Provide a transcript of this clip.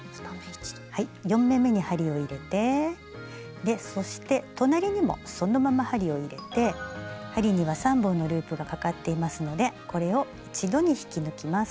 ４目めに針を入れてそして隣にもそのまま針を入れて針には３本のループがかかっていますのでこれを一度に引き抜きます。